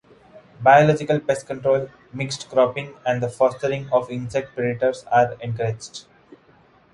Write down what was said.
Biological pest control, mixed cropping and the fostering of insect predators are encouraged.